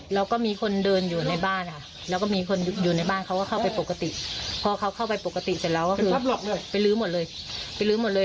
แล้วก็มีคนเดินอยู่ในบ้านค่ะแล้วก็มีคนอยู่ในบ้านเขาก็เข้าไปปกติพอเขาเข้าไปปกติเสร็จแล้วก็คือไปลื้อหมดเลยไปลื้อหมดเลย